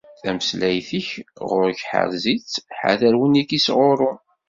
Tameslayt-ik ɣur-k ḥrez-itt, ḥader win i k-yettɣurrun.